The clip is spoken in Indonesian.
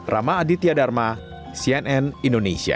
rama aditya dharma cnn indonesia